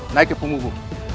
naik ke punggungmu